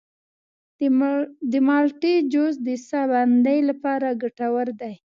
د مالټې جوس د ساه بندۍ لپاره ګټور دی.